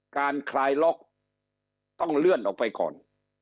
คลายล็อกต้องเลื่อนออกไปก่อน